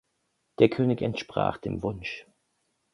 Der König entsprach dem Wunsch.